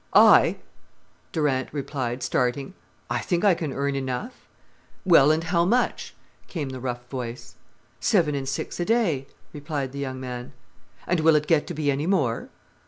"I!" Durant replied, starting. "I think I can earn enough." "Well, and how much?" came the rough voice. "Seven and six a day," replied the young man. "And will it get to be any more?"